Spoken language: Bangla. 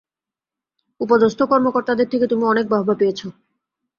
উচ্চপদস্থ কর্মকর্তাদের থেকে তুমি অনেক বাহবা পেয়েছো।